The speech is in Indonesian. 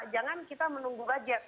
jangan kita menunggu budget